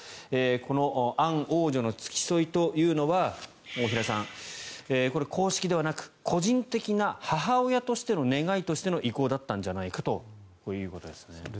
このアン王女の付き添いというのは大平さん、公式ではなく個人的な母親としての、願いとしての意向だったんじゃないかということです。